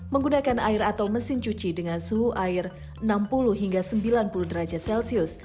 menggunakan air atau mesin cuci dengan suhu air enam puluh hingga sembilan puluh derajat celcius